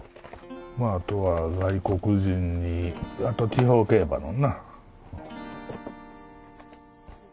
まぁあとは外国人にあと地方競馬のな。